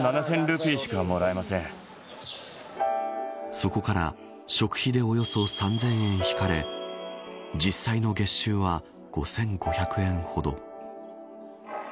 そこから食費でおよそ３０００円引かれ実際の月収は５５００円ほど。